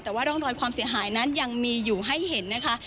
แต่ว่าร่องรอยความเสียหายนั้นยังมีอยู่ให้เห็นนะคะ